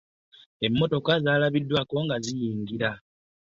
Emmotoka zaalabiddwaako nga ziyingira.